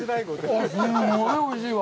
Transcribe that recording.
あぁ、すんごいおいしいわ。